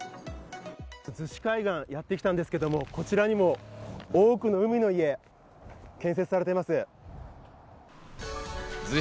逗子海岸にやってきたんですけれども、こちらにも多くの海の家、建設されています。